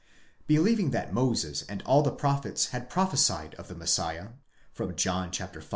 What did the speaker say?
Believing that Moses and all the prophets had prophesied of the Messiah (John v.